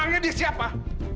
jangan pisahkan aku sama dia pak